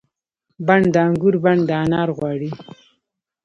بڼ د انګور بڼ د انار غواړي